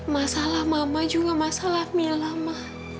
masalah mama juga masalah mila ma